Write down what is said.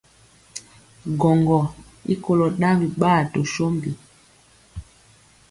Gwɔŋgɔ i kolo ɗaŋ biɓaa to sombi.